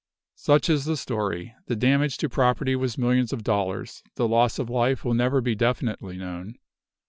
Such is the story. The damage to property was millions of dollars. The loss of life will never be definitely known.